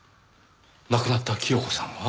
亡くなった清子さんが？